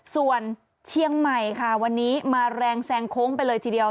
ส่วนเชียงใหม่ค่ะวันนี้มาแรงแซงโค้งไปเลยทีเดียว